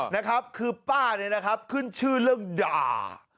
นะครับคือป้าเนี่ยนะครับขึ้นชื่อเรื่องด่า